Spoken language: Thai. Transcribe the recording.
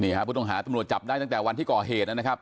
ผู้ต้องหาตำรวจจับได้ตั้งแต่วันที่ก่อเหตุนะครับ